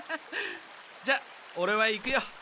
じゃあオレは行くよ。